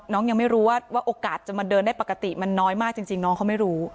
ยังไม่รู้ว่าโอกาสจะมาเดินได้ปกติมันน้อยมากจริงน้องเขาไม่รู้